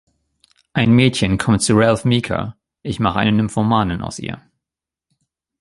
Ein Mädchen kommt zu Ralph Meeker, ich mache eine Nymphomanin aus ihr.